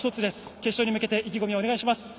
決勝に向けて意気込みをお願いします。